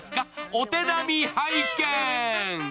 お手並み拝見！